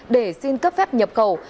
để xin cấp phép nhập cầu